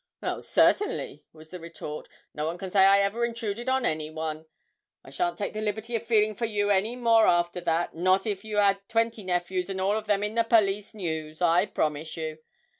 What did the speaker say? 'Oh, certainly,' was the retort, 'no one can say I ever intruded on any one. I shan't take the liberty of feeling for you any more after that, not if you had twenty nephews and all of 'em in the "Police News," I promise you.